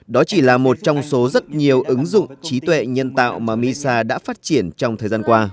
đó chỉ là một trong số rất nhiều ứng dụng trí tuệ nhân tạo mà misa đã phát triển trong thời gian qua